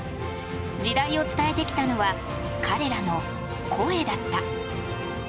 時代を伝えてきたのは彼らの「声」だった。